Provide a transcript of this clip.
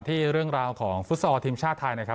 เรื่องราวของฟุตซอลทีมชาติไทยนะครับ